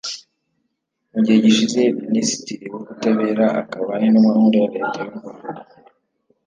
Mu gihe gishize Minisitiri w’ubutabera akaba N’Intumwa Nkuru ya Leta y’u Rwanda